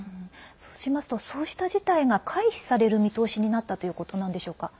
そうしますとそうした事態が回避される見通しになったということなんでしょうか？